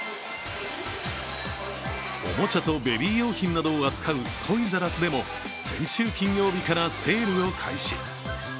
おもちゃとベビー用品などを扱うトイザらスでも先週金曜日からセールを開始。